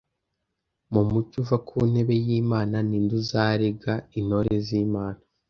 mu mucyo uva ku ntebe y'Imana. «Ni nde uzarega intore z'Imana?